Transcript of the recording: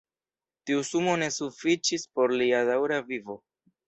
Tiu sumo ne sufiĉis por lia daŭra vivo.